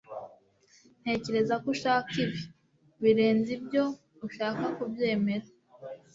ntekereza ko ushaka ibi birenze ibyo ushaka kubyemera